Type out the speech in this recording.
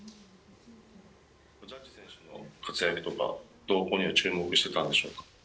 ジャッジ選手の活躍とか動向には注目してたんでしょうか？